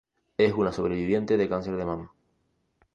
Es una sobreviviente de cáncer de mama.